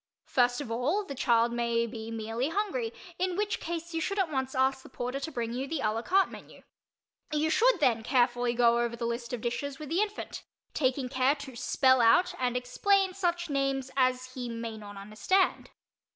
First of all, the child may be merely hungry, in which case you should at once ask the porter to bring you the a la carte menu. You should then carefully go over the list of dishes with the infant, taking care to spell out and explain such names as he may not understand.